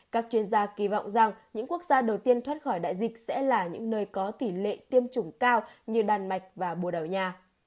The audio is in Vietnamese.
các chuyên gia kỳ vọng rằng những quốc gia đầu tiên thoát khỏi đại dịch sẽ là những nơi có tỷ lệ tiêm chủng cao như đan mạch và bồ đào nha